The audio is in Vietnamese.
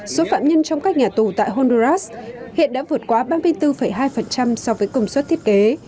số phạm nhân trong các nhà tù tại honduras hiện đã vượt qua ba mươi bốn hai so với công suất thiết kế